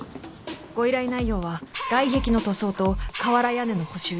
ご依頼内容は外壁の塗装と瓦屋根の補修。